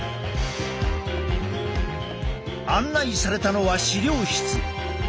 案内されたのは資料室。